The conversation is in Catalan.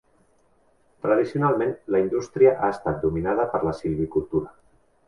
Tradicionalment, la indústria ha estat dominada per la silvicultura.